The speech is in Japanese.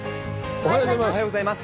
おはようございます。